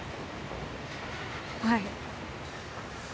はい。